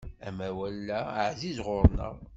Amawal-a ɛziz ɣur-neɣ.